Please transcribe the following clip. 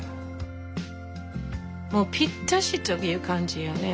もうぴったしという感じよね。